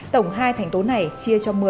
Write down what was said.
tổng hai thành tố này chia cho một mươi